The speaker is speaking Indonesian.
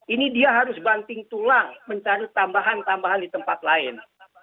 ini dia harus banting tulang mencari tambahan tambahan di tempat lain